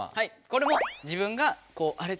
これも自分があれ